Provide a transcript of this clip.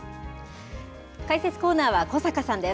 解説コーナーは小坂さんです。